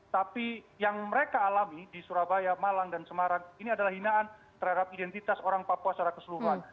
tapi yang mereka alami di surabaya malang dan semarang ini adalah hinaan terhadap identitas orang papua secara keseluruhan